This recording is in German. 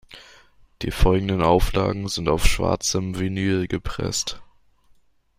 Die folgenden Auflagen sind auf schwarzem Vinyl gepresst.